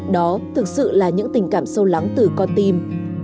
đó thực sự là những tình cảm sâu lắng từ con tim